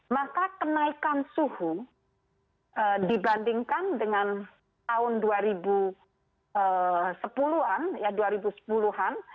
maka kenaikan suhu dibandingkan dengan tahun dua ribu sepuluh an ya dua ribu sepuluh an